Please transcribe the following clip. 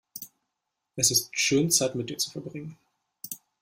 Es ist schön, Zeit mit dir zu verbringen.